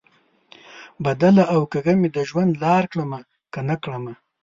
بدله او کږه مې د ژوند لار کړمه، که نه کړم؟